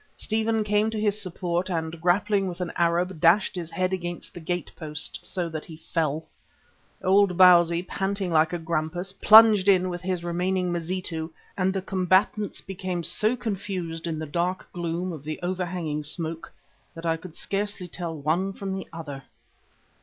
Stephen came to his support and grappling with an Arab, dashed his head against the gate post so that he fell. Old Bausi, panting like a grampus, plunged in with his remaining Mazitu and the combatants became so confused in the dark gloom of the overhanging smoke that I could scarcely tell one from the other.